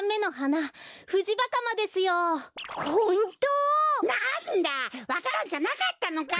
なんだわか蘭じゃなかったのか。